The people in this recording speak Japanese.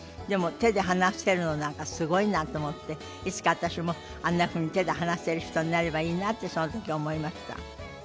でも手で話せるのなんかすごいなと思っていつか私もあんなふうに手で話せる人になればいいなとその時思いました。